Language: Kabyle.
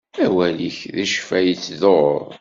Awal-ik d ccfa yettḍur.